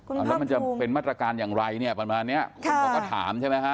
แล้วมันจะเป็นมาตรการอย่างไรเนี่ยประมาณเนี้ยคนเขาก็ถามใช่ไหมฮะ